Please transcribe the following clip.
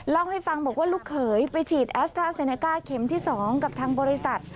เล่าให้ฟังบอกว่าลูกเขยไปฉีดแอสตราเซเนก้าเข็มที่๒กับทางบริษัท